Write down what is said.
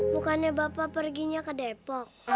bukannya bapak perginya ke depok